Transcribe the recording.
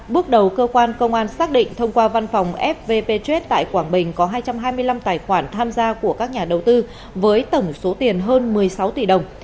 bước đầu cơ quan công an xác định thông qua văn phòng fvp traet tại quảng bình có hai trăm hai mươi năm tài khoản tham gia của các nhà đầu tư với tổng số tiền hơn một mươi sáu tỷ đồng